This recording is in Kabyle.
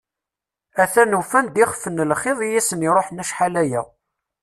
Atan ufan-d ixef n lxiḍ i asen-iruḥen acḥal-aya.